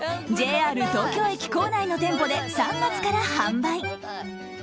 ＪＲ東京駅構内の店舗で３月から販売。